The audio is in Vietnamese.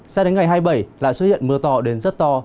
sao đến ngày hai mươi bảy lại xuất hiện mưa to đến rất to